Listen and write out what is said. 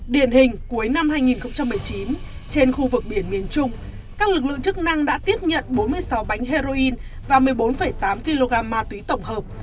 điển hình cuối năm hai nghìn một mươi chín trên khu vực biển miền trung các lực lượng chức năng đã tiếp nhận bốn mươi sáu bánh heroin và một mươi bốn tám kg ma túy tổng hợp